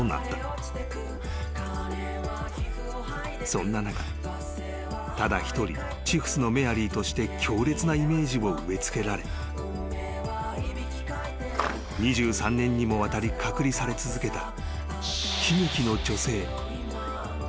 ［そんな中ただ一人チフスのメアリーとして強烈なイメージを植え付けられ２３年にもわたり隔離され続けた］